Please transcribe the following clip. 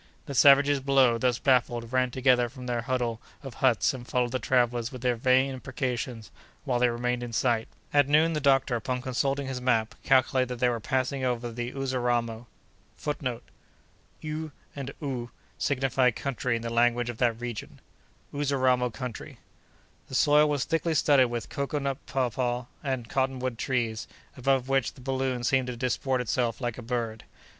The savages below, thus baffled, ran together from their huddle of huts and followed the travellers with their vain imprecations while they remained in sight. At noon, the doctor, upon consulting his map, calculated that they were passing over the Uzaramo country. The soil was thickly studded with cocoa nut, papaw, and cotton wood trees, above which the balloon seemed to disport itself like a bird.